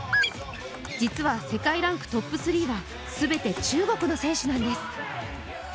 実は世界ランクトップ３は全て中国の選手なんです。